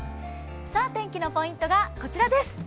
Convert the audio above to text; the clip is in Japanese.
天気のポイントがこちらです